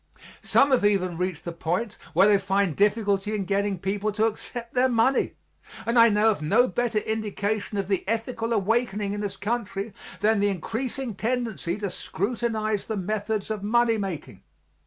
Some have even reached the point where they find difficulty in getting people to accept their money; and I know of no better indication of the ethical awakening in this country than the increasing tendency to scrutinize the methods of money making.